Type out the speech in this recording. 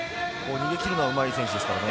逃げ切るのはうまい選手ですからね。